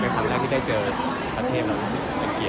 แต่ครั้งนี้ที่ได้เจอประเทศเราก็สิ้นเป็นเกลียด